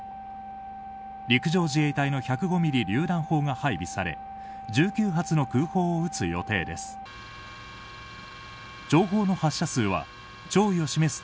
陸上自衛隊の１０５ミリりゅう弾砲が配備され１９発の空砲を撃つ予定です。